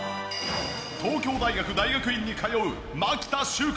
東京大学大学院に通う牧田習君。